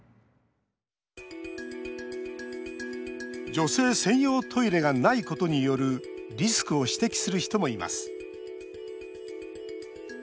女性専用トイレがないことによるリスクを指摘する人もいます。